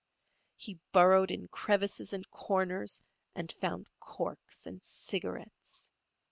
He burrowed in crevices and corners, and found corks and cigarettes.